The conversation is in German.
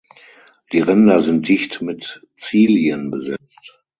Die Ränder sind dicht mit Zilien besetzt.